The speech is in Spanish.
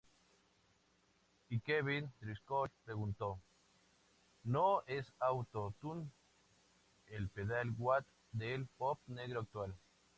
Y Kevin Driscoll preguntó, “¿No es Auto-Tune el pedal wah del pop negro actual?